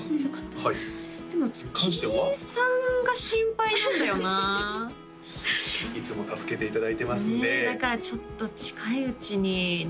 はいでもキイさんが心配なんだよないつも助けていただいてますんでだからちょっと近いうちにね